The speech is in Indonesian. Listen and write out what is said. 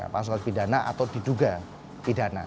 kasus kasus pidana atau diduga pidana